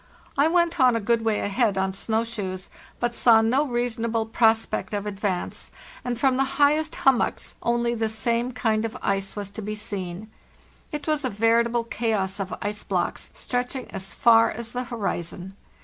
I went on a good way ahead on snow shoes, but saw no reasonable prospect of advance, and from the highest hummocks only the same kind of ice A HARD STRUGGLE 109 "TI WENT ON AHEAD ON SNOW SHOES" was to be seen. It was a veritable chaos of ice blocks, stretching as far as the horizon.